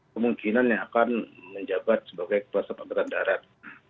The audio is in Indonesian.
kemungkinan yang akan menjabat sebagai kepala staf angkatan darat